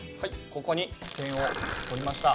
ここに点を取りました。